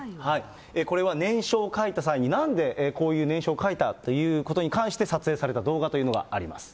これは念書を書いた際に、なんでこういう念書を書いたということに関して、撮影された動画というのがあります。